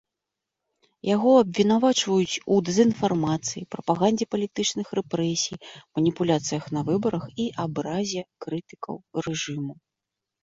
Яго абвінавачваюць у дэзінфармацыі, прапагандзе палітычных рэпрэсій, маніпуляцыях на выбарах і абразе крытыкаў рэжыму.